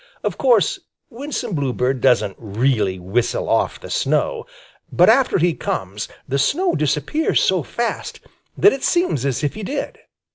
Of course Winsome Bluebird doesn't really whistle off the snow, but after he comes, the snow disappears so fast that it seems as if he did.